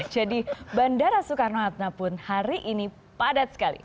jadi bandara soekarno hatta pun hari ini padat sekali